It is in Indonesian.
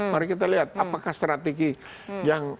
mari kita lihat apakah strategi yang